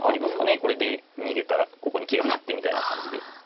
これで逃げたらここに桂を成ってみたいな感じで。